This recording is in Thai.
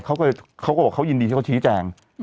เขาก็บอกเขายินดีที่เขาชี้แจง